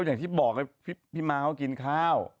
อย่างที่บอกพี่ม้าเขากินข้าว